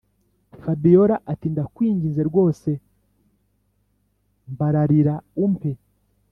fabiora ati”ndakwinginze rwose mbararira umpe